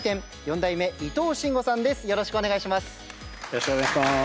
よろしくお願いします。